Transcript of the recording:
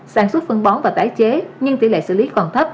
sản xuất phân bón và tái chế nhưng tỷ lệ xử lý còn thấp